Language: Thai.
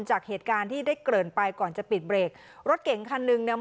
จากเหตุการณ์ที่ได้เกริ่นไปก่อนจะปิดเบรกรถเก่งคันหนึ่งเนี่ย